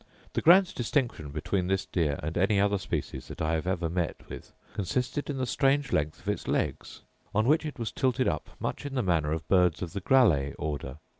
The grand distinction between this deer, and any other species that I have ever met with, consisted in the strange length of its legs; on which it was tilted up much in the manner of birds of the grallae order.